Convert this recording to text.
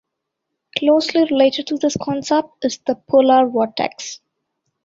Closely related to this concept is the polar vortex.